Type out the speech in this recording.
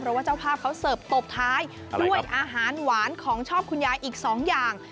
เพราะว่าเจ้าภาพเขาเสิร์ฟตบท้ายด้วยอาหารหวานของชอบคุณยายอีกสองอย่าง